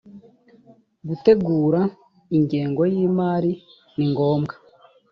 gutegura ingengo y imari nigombwa.